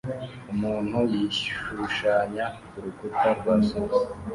Umuntu yishushanya kurukuta rwa sima